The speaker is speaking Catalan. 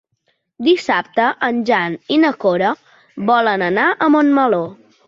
Dissabte en Jan i na Cora volen anar a Montmeló.